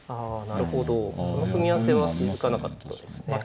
なるほどこの組み合わせは気付かなかったですね。